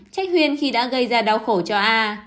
trách huyên khi đã gây ra đau khổ cho a